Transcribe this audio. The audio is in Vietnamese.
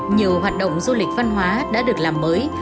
nhiều hoạt động du lịch văn hóa đã được làm mới